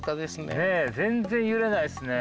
ねっ全然揺れないですね。